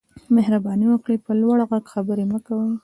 مهرباني وکړئ په لوړ غږ خبرې مه کوئ